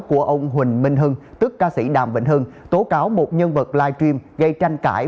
của ông huỳnh minh hưng tức ca sĩ đàm vĩnh hưng tố cáo một nhân vật live stream gây tranh cãi